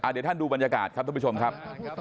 เดี๋ยวท่านดูบรรยากาศครับท่านผู้ชมครับ